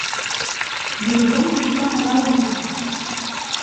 Vilaür es troba a l’Alt Empordà